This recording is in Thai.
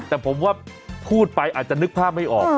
แต่ผมว่าพูดไปอาจจะนึกภาพไม่ออก